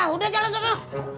udah jalan tono